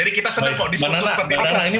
jadi kita sedang kok diskursus seperti ini